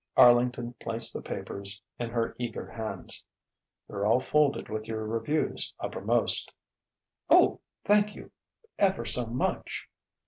Arlington placed the papers in her eager hands. "They're all folded with your reviews uppermost." "Oh, thank you ever so much!"